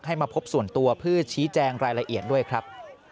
ให้มาพบส่วนตัวเพื่อชี้แจงรายละเอียดด้วยครับ